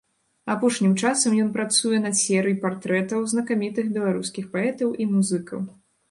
Апошнім часам ён працуе над серый партрэтаў знакамітых беларускіх паэтаў і музыкаў.